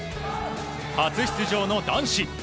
初出場の男子。